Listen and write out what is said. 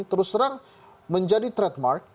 terus terang menjadi threat mark